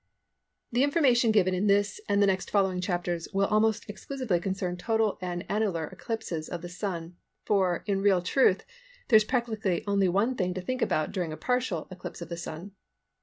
The information to be given in this and the next following chapters will almost exclusively concern total and annular eclipses of the Sun, for, in real truth, there is practically only one thing to think about during a partial eclipse of the Sun.